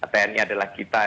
tni adalah kita